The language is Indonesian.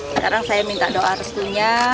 sekarang saya minta doa restunya